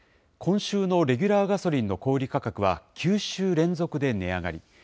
今週のレギュラーガソリンの小売り価格は９週連続で値上がり。